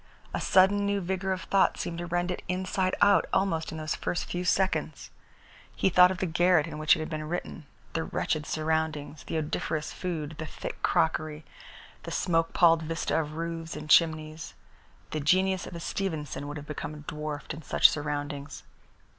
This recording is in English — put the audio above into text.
A sudden new vigour of thought seemed to rend it inside out almost in those first few seconds. He thought of the garret in which it had been written, the wretched surroundings, the odoriferous food, the thick crockery, the smoke palled vista of roofs and chimneys. The genius of a Stevenson would have become dwarfed in such surroundings.